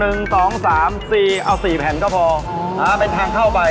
เอาสี่แผ่นก็พอเป็นทางเข้าไป